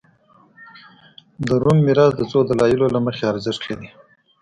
د روم میراث د څو دلایلو له مخې ارزښت لري